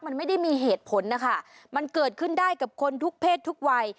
มันไม่ได้มีเหตุผลนะคะมันเกิดขึ้นได้กับคนทุกเพศทุกวัย